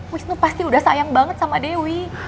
wisnu pasti udah sayang banget sama dewi